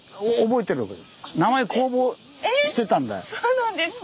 えっそうなんですか。